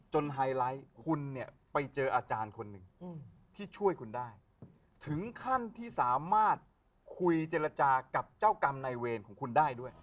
ไฮไลท์คุณเนี่ยไปเจออาจารย์คนหนึ่งที่ช่วยคุณได้ถึงขั้นที่สามารถคุยเจรจากับเจ้ากรรมในเวรของคุณได้ด้วย